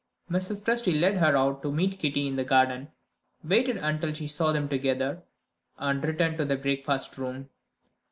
Mrs. Presty led her out to meet Kitty in the garden; waited until she saw them together; and returned to the breakfast room.